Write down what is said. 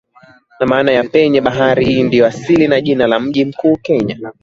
kwa maana ya penye baridi hii ndio asili ya jina la mji mkuu Kenya